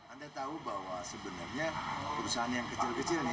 anda tahu bahwa sebenarnya perusahaan yang kecil kecil ini